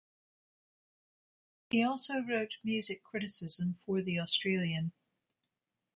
He also wrote music criticism for "The Australian".